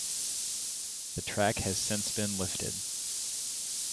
The track has since been lifted.